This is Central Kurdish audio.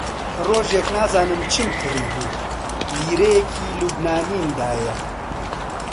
ڕۆژێک نازانم چم کڕیبوو، لیرەیەکی لوبنانیم دایە